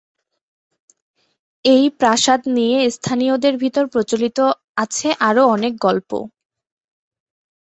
এই প্রাসাদ নিয়ে স্থানীয়দের ভিতর প্রচলিত আছে আরো অনেক গল্প।